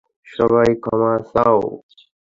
সবাই ক্ষমা চাও!